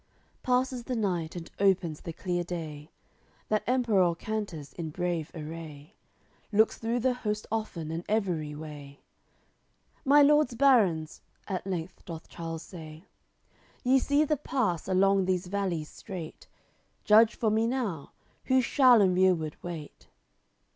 AOI. LVIII Passes the night and opens the clear day; That Emperour canters in brave array, Looks through the host often and everyway; "My lords barons," at length doth Charles say, "Ye see the pass along these valleys strait, Judge for me now, who shall in rereward wait."